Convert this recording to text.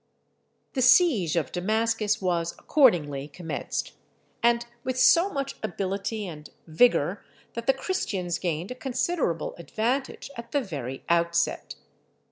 The siege of Damascus was accordingly commenced, and with so much ability and vigour that the Christians gained a considerable advantage at the very outset.